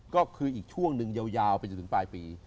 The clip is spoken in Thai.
ก็คืออีกช่วงหนึ่งยาวไปจนถึงปลายปี